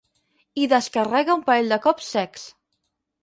Hi descarrega un parell de cops secs.